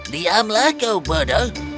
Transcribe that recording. diamlah kau bodoh